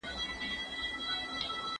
بې خبره له جهانه